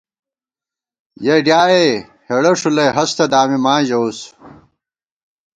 یَہ ڈِیائے ہېڑہ ݭُلَئ ہستہ دامی ، ماں ژَوُس